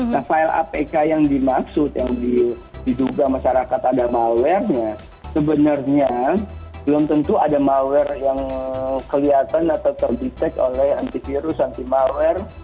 nah file apk yang dimaksud yang diduga masyarakat ada malware nya sebenarnya belum tentu ada malware yang kelihatan atau terdetek oleh antivirus anti malware